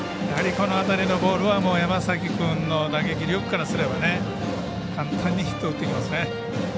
この辺りのボールは山崎君の打撃力からすれば簡単にヒットを打ってきますね。